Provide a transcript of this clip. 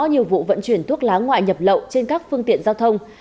nhiều vụ vận chuyển thuốc lá ngoại nhập lậu trên các phương tiện giao thông